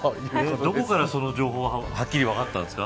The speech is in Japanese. どこからその情報はっきり分かったんですか。